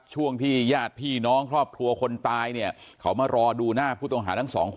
ช่วงที่ญาติพี่น้องครอบครัวคนตายเนี่ยเขามารอดูหน้าผู้ต้องหาทั้งสองคน